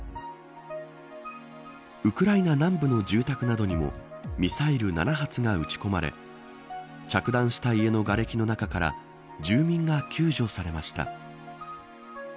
ウクライナ南部の住宅などにもミサイル７発が撃ち込まれ着弾した家のがれきの中から住民が救助されました。